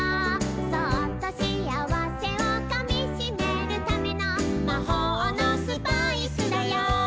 「そっとしあわせをかみしめるための」「まほうのスパイスだよ」